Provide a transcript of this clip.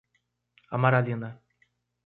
Amaralina